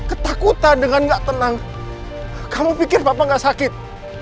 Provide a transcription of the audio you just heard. ketakutan dengan nggak tenang kamu pikir papa gak sakit